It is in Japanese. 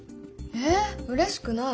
えうれしくない。